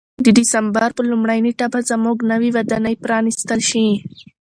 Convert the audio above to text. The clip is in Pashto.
د دسمبر په لومړۍ نېټه به زموږ نوې ودانۍ پرانیستل شي.